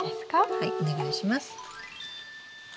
はいお願いします。